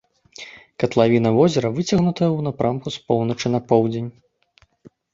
Катлавіна возера выцягнутая ў напрамку з поўначы на поўдзень.